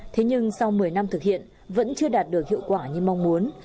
thế nhưng sau một mươi năm thực hiện vẫn chưa đạt được hiệu quả như mong muốn